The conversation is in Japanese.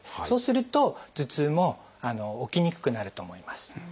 そうすると頭痛も起きにくくなると思います。